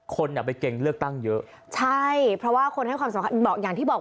คนอ่ะไปเก่งเลือกตั้งเยอะใช่เพราะว่าคนให้ความสำคัญบอกอย่างที่บอก